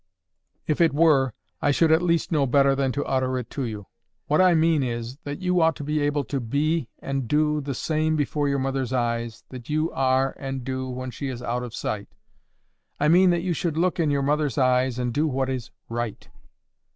If it were, I should at least know better than to utter it to you. What I mean is, that you ought to be able to be and do the same before your mother's eyes, that you are and do when she is out of sight. I mean that you should look in your mother's eyes, and do what is RIGHT."